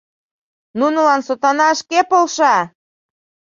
— Нунылан сотана шке полша!..